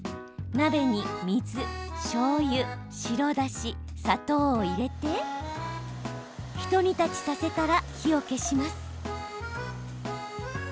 鍋に水、しょうゆ白だし、砂糖を入れてひと煮立ちさせたら火を消します。